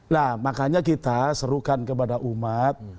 nah makanya kita serukan kepada umat